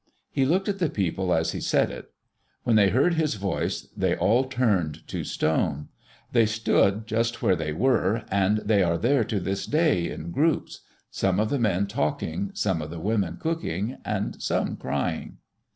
He looked at the people as he said it. When they heard his voice they all turned to stone. They stood just as they were, and they are there to this day in groups: some of the men talking, some of the women cooking, and some crying.